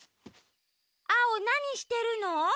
アオなにしてるの？